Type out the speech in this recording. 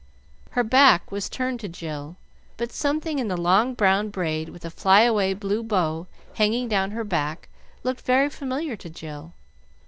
Her back was turned to Jill, but something in the long brown braid with a fly away blue bow hanging down her back looked very familiar to Jill.